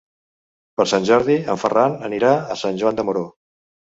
Per Sant Jordi en Ferran anirà a Sant Joan de Moró.